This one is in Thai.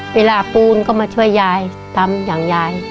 ปูนก็มาช่วยยายทำอย่างยาย